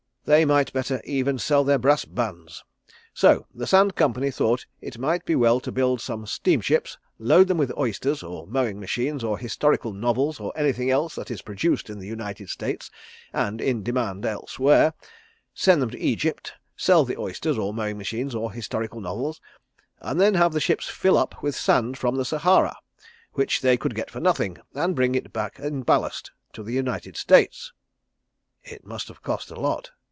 They might better even sell their brass bands. So the Sand Company thought it might be well to build some steam ships, load them with oysters, or mowing machines, or historical novels, or anything else that is produced in the United States, and in demand elsewhere; send them to Egypt, sell the oysters, or mowing machines, or historical novels, and then have the ships fill up with sand from the Sahara, which they could get for nothing, and bring it back in ballast to the United States." "It must have cost a lot!"